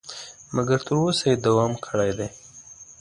مګر تر اوسه یې دوام کړی دی.